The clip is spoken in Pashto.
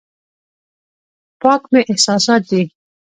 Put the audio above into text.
پاک مې احساسات دي.